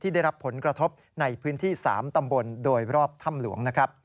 ได้รับผลกระทบในพื้นที่๓ตำบลโดยรอบถ้ำหลวง